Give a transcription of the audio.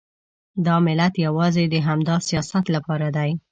دا ملت یوازې د همدا سیاست لپاره دی.